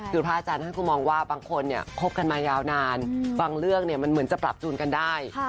คือพระอาจารย์ท่านก็มองว่าบางคนเนี่ยคบกันมายาวนานบางเรื่องมันเหมือนจะปรับจูนกันได้